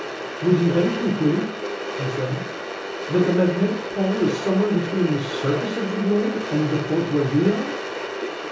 "Would you then conclude," I said, "that the magnetic pole is somewhere between the surface of the globe and the point where we are?"